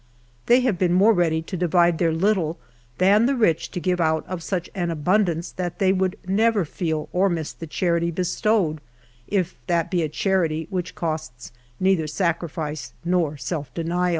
They have been more ready to divide their little, than the rich to give out of such an abundance that they would never feel or miss the charity bestowed, if that be a charity which costs neither sacrifice nor self denial.